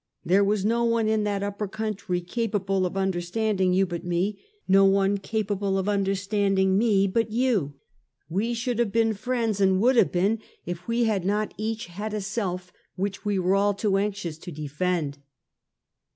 There was no one in that upper country capable of under standing you but me, no one capable of understand ing me, but you. We should have been friends, and would have been, if we had not each had a self which we were all too anxious to defend."